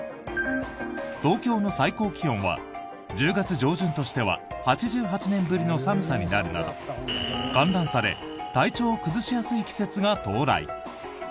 東京の最高気温は１０月上旬としては８８年ぶりの寒さになるなど寒暖差で体調を崩しやすい季節が到来。